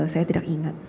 saya tidak ingat